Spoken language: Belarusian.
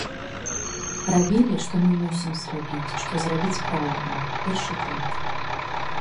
Рабілі, што мы мусім зрабіць, што зрабіць правільна, першы крок.